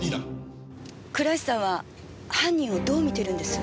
倉石さんは犯人をどう見てるんです？